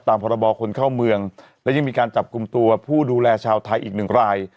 พรบคนเข้าเมืองและยังมีการจับกลุ่มตัวผู้ดูแลชาวไทยอีกหนึ่งราย